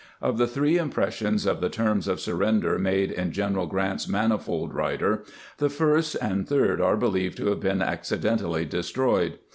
Of the three impressions of the terms of surrender made in General Grant's manifold writer, the first and third are believed to have been accidentally destroyed.